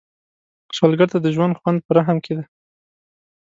سوالګر ته د ژوند خوند په رحم کې دی